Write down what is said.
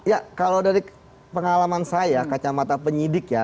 ya kalau dari pengalaman saya kacamata penyidik ya